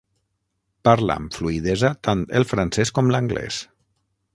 Parla amb fluïdesa tant el francès com l'anglès.